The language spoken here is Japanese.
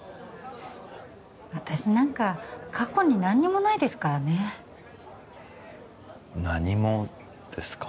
私なんか過去に何にもないですからね何もですか？